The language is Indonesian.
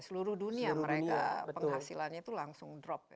seluruh dunia mereka penghasilannya itu langsung drop ya